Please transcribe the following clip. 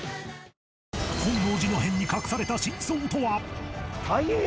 本能寺の変に隠された真相とは！